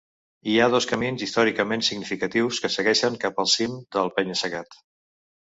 Hi ha dos camins històricament significatius que segueixen cap al cim del penya-segat.